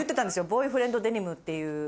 「ボーイフレンドデニム」って。